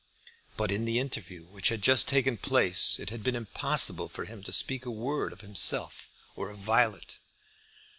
But in the interview which had just taken place it had been impossible for him to speak a word of himself or of Violet.